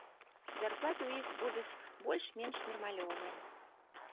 Зарплаты ў іх будуць больш-менш нармалёвыя.